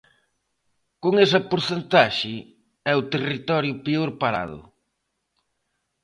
Con esa porcentaxe, é o territorio peor parado.